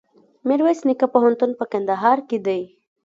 میرویس نیکه پوهنتون په کندهار کي دی.